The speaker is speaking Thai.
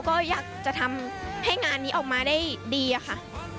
ก็อยากจะทำให้งานนี้ออกมาได้ดีอะค่ะ